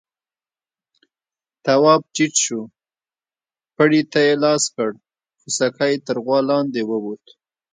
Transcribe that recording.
تواب ټيټ شو، پړي ته يې لاس کړ، خوسکی تر غوا لاندې ووت.